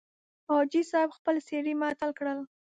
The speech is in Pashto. حاجي صاحب خپل سړي معطل کړل.